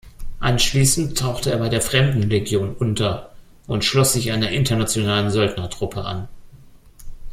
Anschließend tauchte er bei der Fremdenlegion unter und schloss sich einer internationalen Söldnertruppe an.